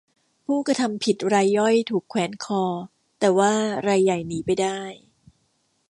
ผู้กระทำผิดรายย่อยถูกแขวนคอ แต่ว่ารายใหญ่หนีไปได้